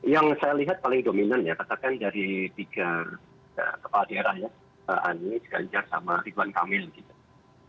yang saya lihat paling dominan ya katakan dari tiga kepala daerah ya anies ganjar sama ridwan kamil gitu